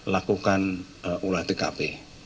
lakukan ulah tkp